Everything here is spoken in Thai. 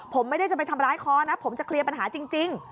ผมไม่ได้จะไปทำร้ายคอนะผมจะเคลียร์ปัญหาจริง